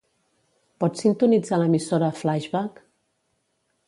Pots sintonitzar l'emissora "Flaixbac"?